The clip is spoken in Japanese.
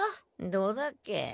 どうだっけ？